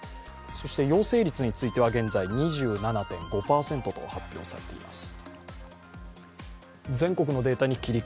そして陽性率については現在２７．５％と発表されています。